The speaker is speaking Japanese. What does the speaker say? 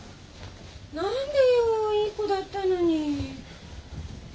何でよいい子だったのに。